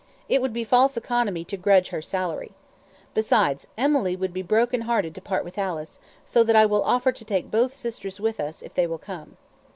It would be false economy to grudge her salary. Besides, Emily would be broken hearted to part with Alice, so that I will offer to take both sisters with us, if they will come."